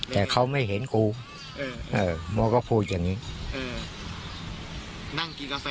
แต่เขาไม่เห็นกูเออเออหมอก็พูดอย่างงี้เออนั่งกินกาแฟ